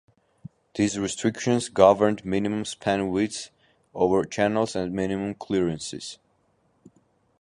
These restrictions governed minimum span widths over channels and minimum clearances.